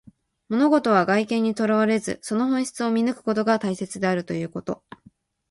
物事は外見にとらわれず、その本質を見抜くことが大切であるということ。